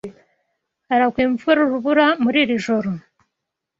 Haragwa imvura urubura muri iri joro